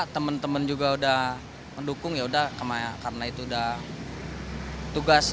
teman teman juga udah mendukung yaudah karena itu udah tugas